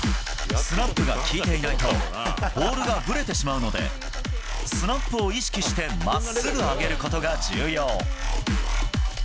スナップが効いていないと、ボールがぶれてしまうので、スナップを意識してまっすぐ上げることが重要。